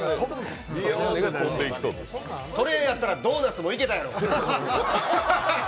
それやったら、ドーナツもいけたやろ！